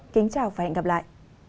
kính chào và hẹn gặp lại